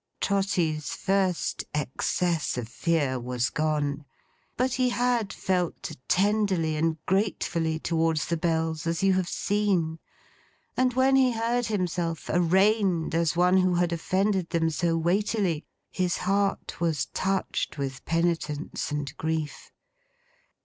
Trotty's first excess of fear was gone. But he had felt tenderly and gratefully towards the Bells, as you have seen; and when he heard himself arraigned as one who had offended them so weightily, his heart was touched with penitence and grief.